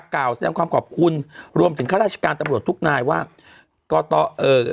กล่าวแสดงความขอบคุณรวมถึงข้าราชการตำรวจทุกนายว่าก่อต่อเอ่อ